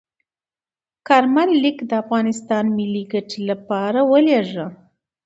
کارمل لیک د افغانستان ملي ګټې لپاره ولیږه.